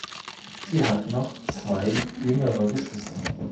Sie hat noch zwei jüngere Geschwister.